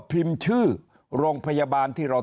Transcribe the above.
พิมพ์ชื่อโรงพยาบาลที่เรา